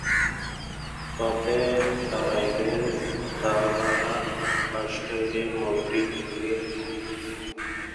পথে তাড়াইলের তালজাঙ্গা-বাঁশাটি মোড়ে পেছন থেকে একটি মালবাহী ট্রাক তাঁকে চাপা দেয়।